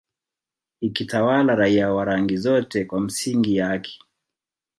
ikitawala raia wa rangi zote kwa misingi ya haki